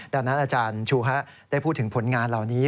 ดังนั้นอาจารย์ชูฮะได้พูดถึงผลงานเหล่านี้